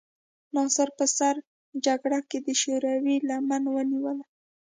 ناصر په سړه جګړه کې د شوروي لمن ونیوله.